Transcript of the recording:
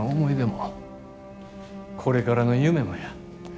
これからの夢もや。